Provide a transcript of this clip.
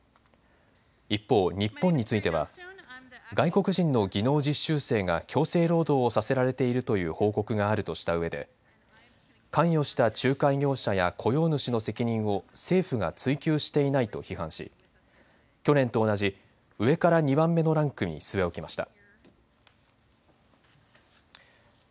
一方、日本については外国人の技能実習生が強制労働をさせられているという報告があるとしたうえで、関与した仲介業者や雇用主の責任を政府が追及していないと批判し去年と同じ上から２番目のランクに据え置きました。